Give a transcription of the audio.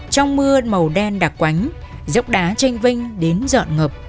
trong mưa màu đen đặc quánh dốc đá tranh vinh đến dọn ngập